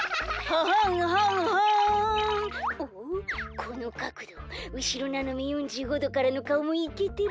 このかくどうしろななめ４５どからのかおもいけてるなあアハハ。